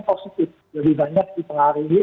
positif lebih banyak dipengaruhi